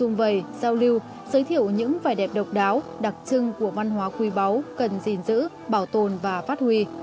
giới thiệu những vẻ đẹp độc đáo đặc trưng của văn hóa quý báu cần gìn giữ bảo tồn và phát huy